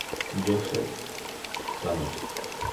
Joseph Sommers